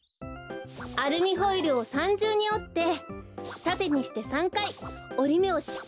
アルミホイルを３じゅうにおってたてにして３かいおりめをしっかりつけております。